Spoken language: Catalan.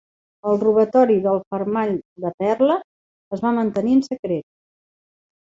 El robatori del fermall de perla es va mantenir en secret.